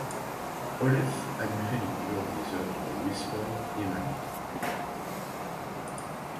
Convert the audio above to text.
Oleffe admirait les couleurs des œuvres de Whistler et Manet.